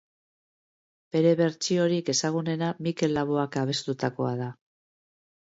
Bere bertsiorik ezagunena Mikel Laboak abestutakoa da.